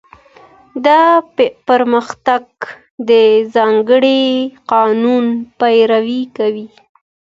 دا پرمختګ د ځانګړي قانون پیروي کوي.